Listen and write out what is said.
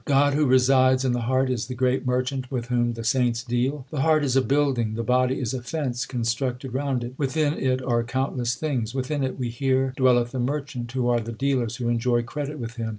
God who resides in the heart is the great merchant with whom the saints deal : The heart is a building, the body is a fence constructed round it ; Within it are countless things ; Within it, we hear, dwelleth the Merchant. Who are the dealers who enjoy credit with Him